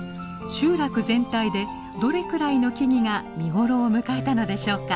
集落全体でどれくらいの木々が見頃を迎えたのでしょうか。